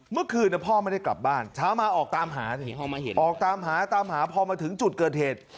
เมื่อคืนพ่อไม่ได้กลับบ้านชาวมาออกตามหาพ่อมาถึงจุดเกิดเหตุ